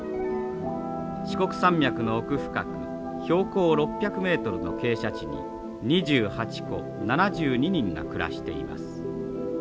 四国山脈の奥深く標高６００ｍの傾斜地に２８戸７２人が暮らしています。